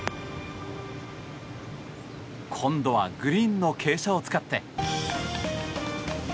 今度はグリーンの傾斜を使って。